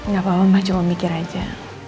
gak apa apa cuma mikir aja